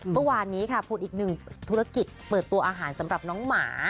เมื่อวานนี้ค่ะผุดอีกหนึ่งธุรกิจเปิดตัวอาหารสำหรับน้องหมา